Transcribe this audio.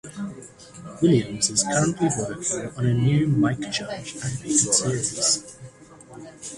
Williams is currently working on a new Mike Judge animated series.